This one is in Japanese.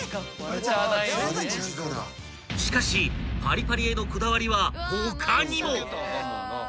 ［しかしパリパリへのこだわりは他にも！］